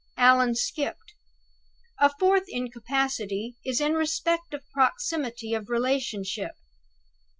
Allan skipped. "'A fourth incapacity is in respect of proximity of relationship.